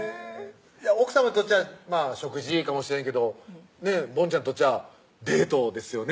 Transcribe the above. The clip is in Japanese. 奥さまにとっちゃ食事かもしれんけどボンちゃんにとっちゃデートですよね